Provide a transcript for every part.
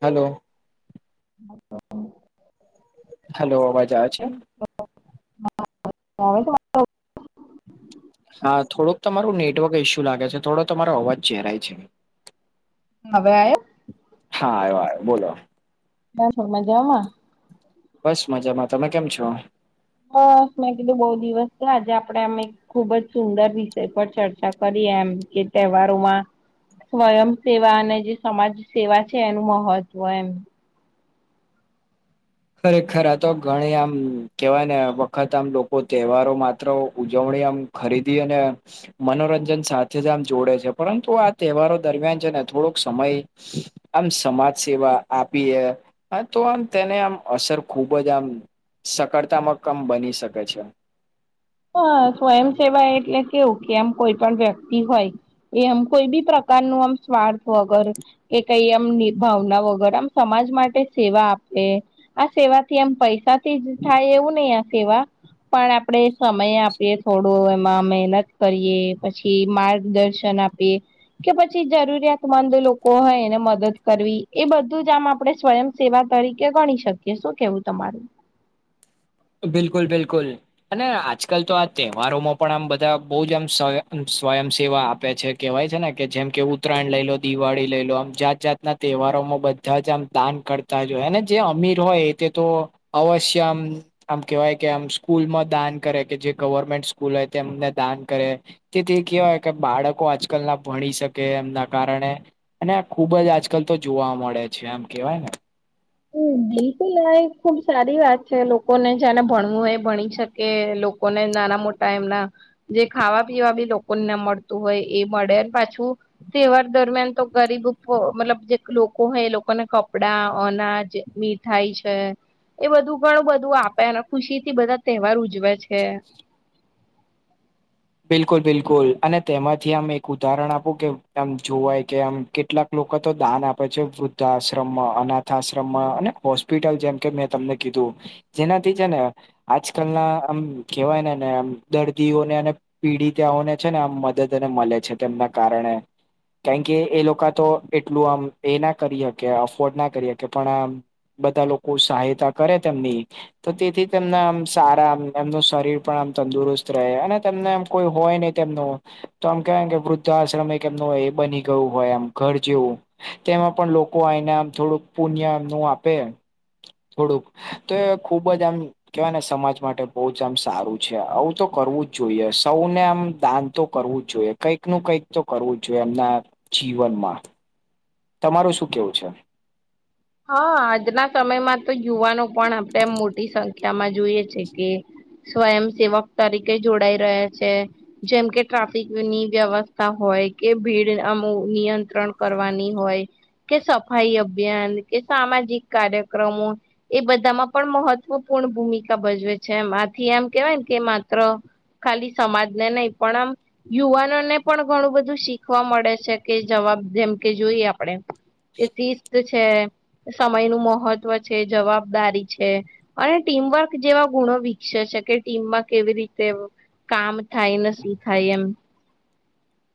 Hello. હા તો. Hello અવાજ આવે છે. [unintelligible] હા થોડુંક તમારું નેટવર્ક ઈસ્યુ લાગે છે થોડો તમારો અવાજ ચરાય છે. હવે આયો. હા આયો આયો બોલો. કેમ છો મજામાં. બસ મજામાં તમે કેમ છો. બસ મેં કીધું બહુ દિવસ થયા આજે આપડે આમ. ખુબ જ સુંદર વિષય પર ચર્ચા કરી એમ કે તહેવારોમાં. સ્વયંસેવા અને જે સમાજ સેવા છે એનું મહત્વ એમ. ખરેખર આ તો ઘણી આમ કહેવાય ને વખત આમ લોકો તહેવારો માત્ર ઉજવણી આમ. ખરીદી અને. મનોરંજન સાથે જ આમ જોડે છે પરંતુ આ તહેવારો દરમિયાન છે ને થોડોક સમય. આમ સમાજ સેવા આપીએ તો આમ તેને આમ. અસર ખૂબ જ આમ સકારતામક આમ બની શકે છે. હ સ્વયંસેવા એટલે કેવું કે આમ કોઈ પણ વ્યક્તિ હોય. એ આમ કોઈ બી પ્રકાર નું આમ સ્વાર્થ વગર. એ કઈ આમની ભાવના વગર આમ સમાજ માટે સેવા આપે. આ સેવાથી એમ પૈસા થી જ થાય એવું નહી આ સેવા પણ આપડે. સમય આપીએ થોડો એમાં મહેનત કરીએ પછી માર્ગદર્શન આપીએ. કે પછી જરૂરિયાતમંદ લોકો હોય એને મદદ કરવી એ બધું જ આમ આપડે સ્વયં. સેવા તરીકે ગણી શકીએ શું કેવું તમારું. બિલકુલ બિલકુલ. અને આજકાલ તો આ તહેવારોમાં પણ આમ બધા બહુ જ આમ સ્વ સ્વયં સેવા આપે છે. કેહેવાય છે ને કે જેમ કે ઉત્તરાયણ લઈ લો દિવાળી લઈ લો આમ જાત જાતના તહેવારો માં બધા જ આમ દાન કરતા. અને જે અમીર હોય તે તો અવશ્ય આમ. આમ કેહેવાય કે આમ સ્કૂલમાં દાન કરે કે જે ગવર્મેન્ટ સ્કૂલ હોય તેમને દાન કરે. તેથી કેહેવાય કે બાળકો આજકાલ ના ભણી શકે એમના કારણે. અને આ ખુબ જ આજકાલ તો જોવા મળે છે આમ કેવાય ને. હ બિલકુલ આ એ ખુબ સારી વાત છે લોકોને જેને ભણવું હોય એ ભણી શકે. કે લોકોને નાના મોટા એમના. જે ખાવા પીવા બી લોકોને ન મળતું હોય એ મળે પાછું. તહેવાર દરમિયાન તો ગરીબ મતલબ જે લોકો હોય એ લોકોને કપડા અનાજ. મીઠાઈ છે. એ બધું ઘણું બધું આપે અને ખુશી થી બધા તહેવાર ઉજવે છે. બિલકુલ બિલકુલ અને તેમાંથી આમ એક ઉદાહરણ આપું કે આમ જોવાય કે આમ કેટલાક. લોકો તો દાન આપે છે વૃદ્ધા આશ્રમમાં અનાથ આશ્રમમાં અને હોસ્પિટલ જેમ કે મેં તમને કીધું. જેનાથી છે ને આજકાલ ના આમ કહેવાય ને ને આમ દર્દીઓને અને. પીડિતઓને છે ને આમ મદદ અને મળે છે, તેમના કારણે કારણ કે એ લોકો તો એટલું આમ એ ના કરી શકે અફોર્ડ ના કરી શકે, પણ આમ બધા લોકો સહાયતા કરે તેમની. તો તેથી તેમના આમ સારા આમ એમનું શરીર પણ આમ તંદુરસ્ત રહે અને. તેમને એમ કોઈ હોય નહિ તેમનું. તો આમ કેહેવાય ને કે વૃદ્ધાશ્રમ એક એમનું એ બની ગયું હોય આમ ઘર જેવું. તેમાં પણ લોકો આઈને આમ થોડુંક પુણ્યનું આપે. થોડુંક તો એ ખુબ જ આમ કેવાય ને સમાજ માટે બહુ જ આમ સારું છે, આવું તો કરવું જ જોઈએ સૌને આમ દાન તો કરવું જ જોઈએ, કંઈક નું કઈક તો કરવું જ જોઈએ, એમના જીવનમાં તમારું શું કેવું છે? હા, આજના સમયમાં તો યુવાનો પણ આપણેમ મોટી સંખ્યા માં જોઈએ છે કે સ્વયંસેેવક તરીકે જોડાઈ રહ્યા છે, જેમ કે ટ્રાફિકની વ્યવસ્થા હોય કે ભીડ આમ નિયંત્રણ કરવાની હોય, કે સફાઈ અભિયાન કે સામાજિક કાર્યક્રમો એ બધામાં પણ મહત્વપૂર્ણ ભૂમિકા ભજવે છે, એમ આથી એમ કેવાય કે માત્ર ખાલી સમાજ ને નહી પણ આમ યુવાનોને પણ ઘણું બધું શીખવા મળે છે કે જવાબ જેમ કે જોઈએ, આપણે કે શિસ્ત છે, સમય નું મહત્વ છે જવાબદારી છે. અને ટીમવર્ક જેવા ગુણો વિકસે છે કે, ટીમમાં કેવી રીતે કામ થાય, ને શું થાય એમ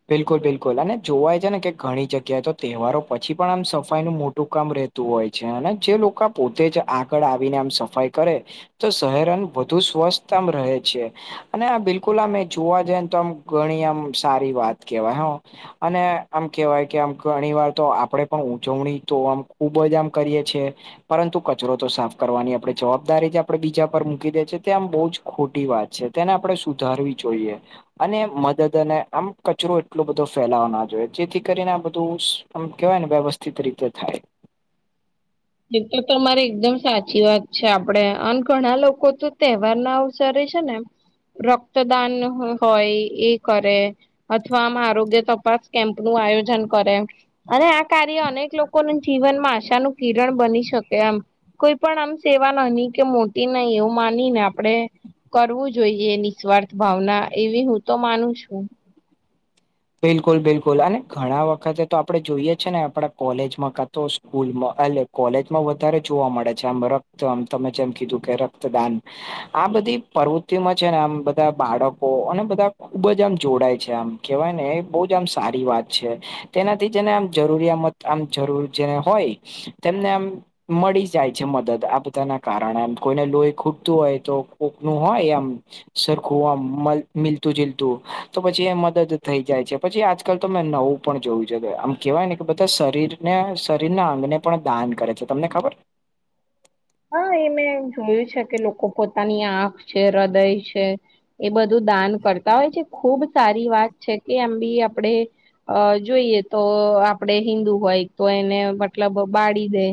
બિલકુલ બિલકુલ અને જોવાય છે ને, કે ઘણી જગ્યાએ તો તહેવારો પછી પણ આમ સફાઈ નું મોટું કામ રહેત હોય છે, અને જે લોકો પોતે જ આગળ આવીને આમ સફાઈ કરે તો શહેરન વધુ સ્વસ્થતામ રહે છે, અને આ બિલકુલ આમે જોવા જઈને તો આમ ઘણી આમ સારી વાત કેવાય અને આમ કેવાય કે આમ ઘણી વાર તો આપણેે પણ ઉજવણી તો આમ ખુબ જ આમ કરીએ છે, પરંતુ કચરો તો સાફ કરવાની આપે જવાબદારી જે આપડે બીજા પર મૂકી દે છે તે આમ બહુ જ ખોટી વાત છે, તેને આપણે સુધારવી જોઈએ અને મદદને આમ કચરો એટલો બધો ફેલાવો ના જોઈએ જેથી કરીને, આ બધુંમ કેહેવાય ને વ્યવસ્થિત રીતે થાય એ તો તમારી એકદમ સાચી વાત છે, આપડે અને ઘણા લોકો તો તહેવાર ના અવસરે છે ને એમ રક્તદાન હોય, એ કરે અથવા આમ આરોગ્ય તપાસ કેમ્પ નું આયોજન કરે, અને આ કાર્ય અનેક લોકોનું જીવનમાં આશાનું કિરણ બની શકે, એમ કોઈ પણ આમ સેવા નની કે મોટી નહી એવું માની ને આપડે કરવું જોઈએ નિસ્વાર્થ ભાવના એવી હું તો માનું છું, બિલકુલ બિલકુલ અને ઘણા વખતે તો આપડણે જોઈએ છે, ને આપણા કોલેજમાં ક તો સ્કૂલમાં એ કોલેજમાં વધારે જોવા મળે છે, આમ રક્ત આમ તમે જેમ કીધું કે રક્તદાન આ બધી પ્રવૃતિમાં છે, ને આમ બધા બાળકો અને બધા ખુબ જ આમ જોડાય છે આમ કેહેવાય ને એ બહુ જ આમ સારી વાત છે, તેનાથી જેને આમ જરૂરિયામત આમ જરૂર જેને હોય. તેમને આમ મળી જાય છે, મદદ આ બધાના કારણેમ કોઈને લોહી ખૂટતું હોય તો કોકનું હોય એમ સરખું આમ મીલતું જીલતું તો પછી એ મદદ થઈ જાય છે, પછી આજકાલ તો મેમે નવું પણ જોયું છે કે આમ કેવાય ને કે બધા શરીરને શરીરના અંગને પણ દાન કરે છે, તમને ખબર? હા, એ મેં જોયું છે કે લોકો પોતાની આંખ છે, હૃદય છે એ બધું દાન કરતા હોય છે, ખુબ સારી વાત છે કે એમ બી આપણેે અ જોઈએ તો આપડે હિન્દુ હોય તો એને મતલબ બાળી દે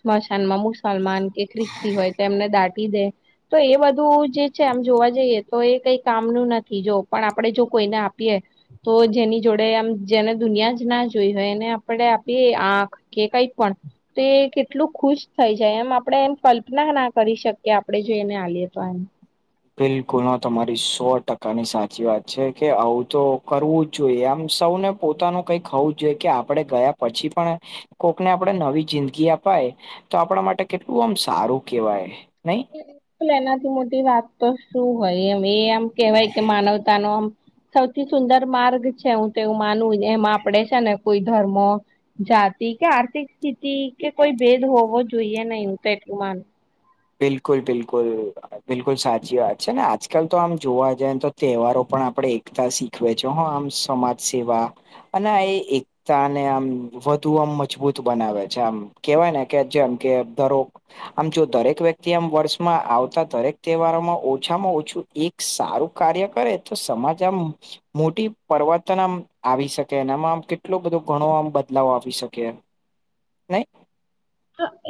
શમશાન મુસલમાન એ ખ્રિસ્તી હોય તો એમને દાટી દે, તો એ બધું જે છે આમ જોવા જઈએ તો એ કંઈ કામનું નથી જો પણ આપણેે જો કોઈને આપીએ તો જેની જોડે આમ જેને દુનિયા જ ના જોઈ હોય એને આપણે આપીએ આંખ કે કઈ પણ તો કેટલું ખુશ થઈ જાય, એમ આપણે એમ કલ્પના ના કરી શકીએ, આપણે જોઈને આલીએ તો એમ બિલકુલ હ તમારી સો ટકાની સાચી વાત છે કે, આવું તો કરવું જ જોઈએ એમ સૌને પોતાનું કઈક હોવું જ જોઈએ, કે આપડે ગયા પછી પણ કોકને આપડણે નવી જિંદગી અપાય તો આપણા માટે કેટલું આમ સારું કેહેવાય નહી, એનાથી મોટી વાત તો શું હોય એમ એ આમ કેવાય કે માનવતાનો આમ સૌથી સુંદર માર્ગ છે હું તો એવું માનું એમાં આપડે છે ને કોઈ ધર્મ જાતિ કે આર્થિક સ્થિતિ કે કોઈ ભેદ હોવો જોઈએ નહીં હું તો એટલું માનું. બિલકુલ બિલકુલ. બિલકુલ સાચી વાત છે ને આજકાલ તો આમ જોવા જાય તો તહેવારો પણ આપણે એકતા શી ખવે છે હ આમ સમાજ સેવા અને આ એ કતાને આમ વધુ આમ મજબૂત બનાવે છે આમ કેવાય ને કે જેમ કે ધરોક આમ જો દરેક એક વ્યક્તિ આમ વર્ષમાં આવતા દરેક તહેવારોમાં ઓછામાં ઓછું એક સારું કાર્ય કરે તો સમાજ આમ મોટી પરવર્તન આમ આવી શકે એનામાં આમ કેટલો બધો ઘણો આમ બદલાવ આવી શકે. નઈ?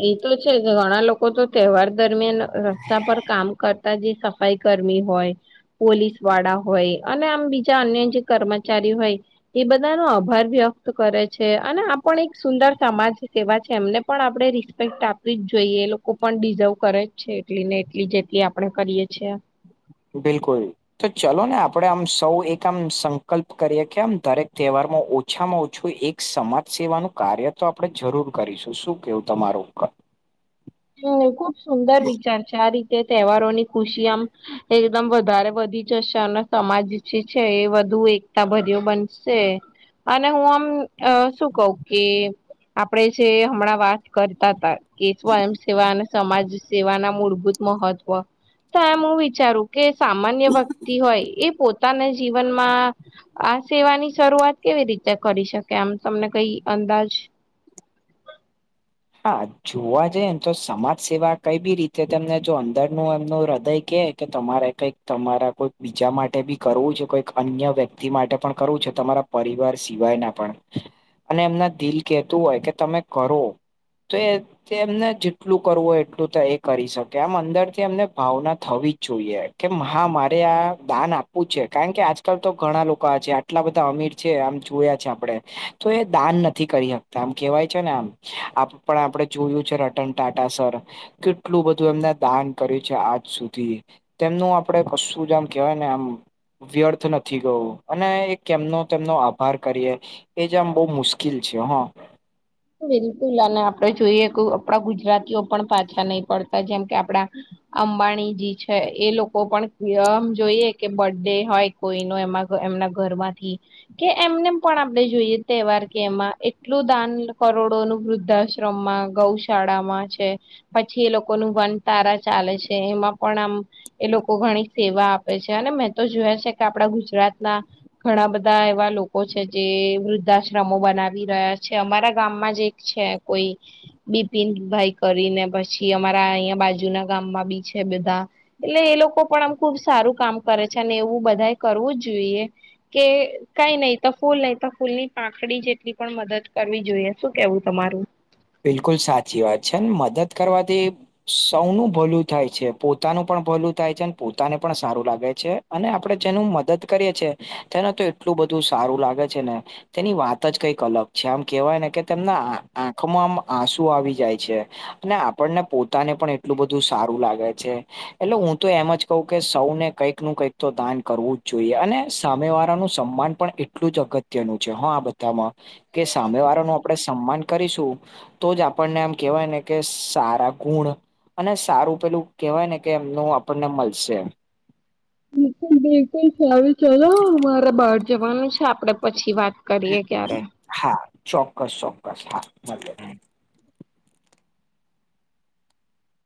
હ એ તો છે ઘણા લોક કો તો તહેવાર દરમિયાન રસ્તા પર કામ કરતાં જે સફાઈકર્મી હોય. પોલીસવાળા હોય અને આમ બીજા અન્ય જે કર્મચારી હોય. એ બધાનો આભાર વ્યક્ત કરે છે અને આ પણ એક સુંદર સમાજ સેવા છે એમને પણ આપણે રિસ્પેક્ટ આપવી જ જોઈએ એ લોકો પણ ડિઝર્વ કરે જ છે એટલી ને એટલી જેટલી આપણે કરીએ છીએ. બિલકુલ. તો ચલો ને આપડે આમ સૌ એક આમ સંકલ્પ કરીએ કે આમ દરેક તહેવારમાં ઉ છામાં ઓછું એક સમાજ સેવાનું કાર્ય તો આપણે જરૂર કરીશું, શું કેવું તમારું ઉપર? હમ્મ ખૂબ સુંદર વિચાર છે, આ રીતે તહેવારોની ખુશી આમ એકદમ વધારે વધી જશે અને સમાજ જે છે એ વધુ એકતા ભર્યો બનશે. અને હું આમ અ શું કવ કે આપડે જે હમણાં વાત કરતાં તા કે શું આમ સમાજ સેવાના મૂળભૂત મહત્વ, તો એમ હું વિચારું કે સામાન્ય વક્તિ હોય એ પોતાના જીવનમાં આ સેવાની શરૂઆત કેવી રીતે કરી શકે આમ તમને કઈ અંદાજ? હા જોવા જયેને તો સમાજ સેવા કઈ બી રીતે તમને જો અંદરનું એમનું હૃદય કે કે તમારે કંઈક તમારા કોઈ બીજા માટે બી કરવું છે કોઈક અન્ય વ્યક્તિ માટે પણ કરવું છે તમારાં પરિવાર સિવાયના પણ અને એમના દિલ કેતું હોય કે તમે કરો. તો એ તે એમને જેટલું કરવું હોય એટલું તો એ કરી શકે આમ અંદરથી એમને ભાવના થવી જ જોઈએ. કે હા મારે આ દાન આપવું છે કારણ કે આજકાલ તો ઘણા લોકો આ છે આટલા બધાં અમીર છે આમ જોયા છે આપડે તો એ દાન નથી કરી હકતા આમ કેવાય છે ને આમ આ પણ આપડે જોયું છે રટન ટાટા સર. કેટલું બધું એમણે દાન કર્યું છે આજ સુધી. તેમનું આપડે કશું જ આમ કેવાય ને આમ વ્યર્થ નથી ગયું અને એક કેમનો તેમનો આભાર કરીએ. એજ આમ બઉ મુશ્કેલ છે હા. બિલકુલ અને આપણે જોઈએ કે આપણા ગુજરાતીઓ પણ પાછા નહીં પડતાં જેમ કે આપડા અંબાણીજી છે એ લોકો પણ ધ જોઈએ કે બડે હોય. કોઈનો એમાં એમનાં ઘરમાંથી કે એમને પણ આપણે જોઈએ તહેવાર કે એમાં એટલું દાન લ કરોડો નું વૃદ્ધાશ્રમમાં ગૌશાળામાં છે. પછી એ લોકો ન વન તારા ચાલે છે એમાં પણ આમ એ લોકો ઘણી સેવા આપે છે અને મેં તો જોયા છે કે આપણા ગુજરાતના ઘણાં બધાં એવા લોકો છે જે વૃદ્ધાશ્રમો બનાવી રહ્યા છે અમારાં ગામમાં જ એક છે કોઈ. બિપિનભાઈ કરીને પછી અમારા અહીંયા બાજુના ગામમાં બી છે બધાં. એટલે એ લોકો પણ આમ ખૂબ સારું કામ કરે છે અને એવું બધાએ કરવું જ જોઈએ. કે કઈ નહી તો ફૂલ નહી તો ફૂલ ની પાખડી જેટલી પણ મદદ કરવી જોઈએ શું કેવું તમારું બિલકુલ સાચી વાત છે ને મદદ કરવાથી સૌનું ભલું થાય છે પોતાનું પણ ભલું થાય છે અને પોતાને પણ સારું લાગે છે. અને આપડણે જેનું મદદ કરીએ છે તેને તો એટલું બધું સારું લાગે છે ને તેની વાત જ કંઈક અલગ છે આમ કેવાય ને કે તેમના આંખ માં આમ આસુ આવી જાય છે અને આપણને પોતાને પણ એટલું બધું સારું લાગે છે. એટલે હું તો એમ જ કહું કે સૌને કંઈક નું કંઈક તો દાન કરવું જ જોઈએ અને સામે વાળાનું સન્માન પણ એટલું જ અગત્ય નું છે હા બધામાં કે સામે વાળા નુ આપણે સન્માન કરીશું તો જ આપણને આમ કેહેવાય ને કે સારા ગુણ અને સારું પેલું કેહેવાય ને કે એમનું આપણને મળશે બુ બિલકુલાર ચલો મારા બહાર જવાનું છે આપડે પછી વાત કરીએ ક્યારે હા ચોક્કસ ચોક્કસ હા